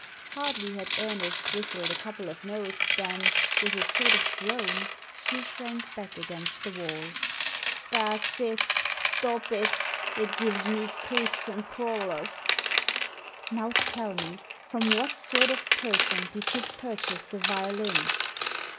Hardly had Ernest whistled a couple of notes than, with a sort of groan, she shrank back against the wall. "Thafs it! Stop it! It gives me creeps and crawlers !"" Now, tell me, from what sort of person did you purchase the violin?"